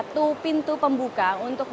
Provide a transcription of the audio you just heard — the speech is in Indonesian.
karena bali ini dianggap menjadi salah satu pilihan